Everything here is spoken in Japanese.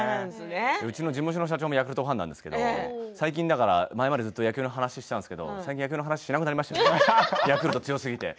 うちの事務所の社長もヤクルトファンなんですけど、最近、前までずっと野球の話をしていたんですが最近野球の話をしなくなりましたヤクルト強すぎて。